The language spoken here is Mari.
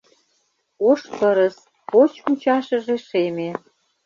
— Ош пырыс, поч мучашыже шеме.